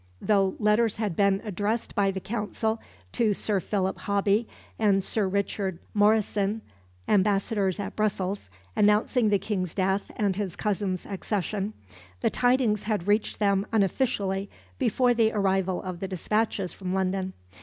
Though letters had been addressed by the Council to Sir Philip Hoby and Sir Richard Morysine, ambassadors at Brussels, announcing the King's death and his cousin's accession, the tidings had reached them unofficially before the arrival of the despatches from London.